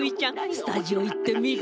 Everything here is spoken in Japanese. スタジオいってみる？